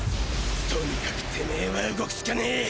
とにかくてめェは動くしかねぇ。